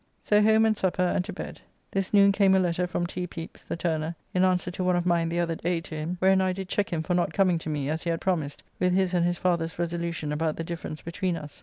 So home and supper and to bed. This noon came a letter from T. Pepys, the turner, in answer to one of mine the other day to him, wherein I did cheque him for not coming to me, as he had promised, with his and his father's resolucion about the difference between us.